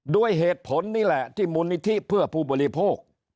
ด้วยเหตุผลนี่แหละที่มูลนิธิเพื่อผู้บริโภค